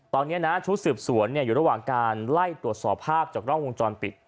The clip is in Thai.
ตอนนี้นะชุดสืบสวนอยู่ระหว่างการไล่ตรวจสอบภาพจากกล้องวงจรปิด